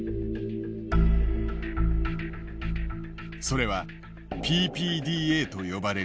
それはＰＰＤＡと呼ばれる指標。